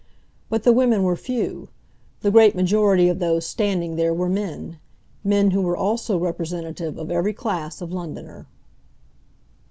But the women were few; the great majority of those standing there were men—men who were also representative of every class of Londoner.